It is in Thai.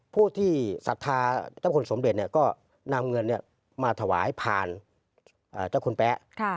ผู้ที่ศรัทธาเจ้าคุณสมเด็จก็นำเงินมาถวายผ่านเจ้าคุณแป๊ะ